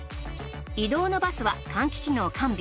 移動のバスは換気機能完備。